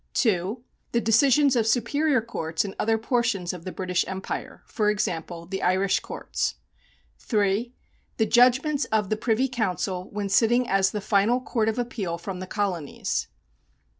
^ (2) The decisions of superior courts in other portions of the British Empire, for example, the Irish courts. ^ (3) The judgments of the Privy Council when sitting as the final court of appeal from the Colonies.